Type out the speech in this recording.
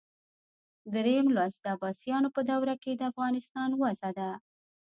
دریم لوست د عباسیانو په دوره کې د افغانستان وضع ده.